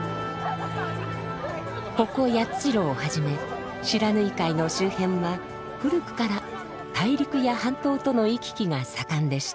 ここ八代をはじめ不知火海の周辺は古くから大陸や半島との行き来が盛んでした。